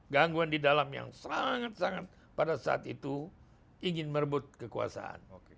gangguan di dalam yang sangat sangat pada saat itu ingin merebut kekuasaan